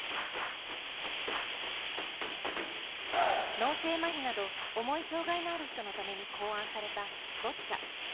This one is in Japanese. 脳性まひなど重い障がいのある人のために考案された、ボッチャ。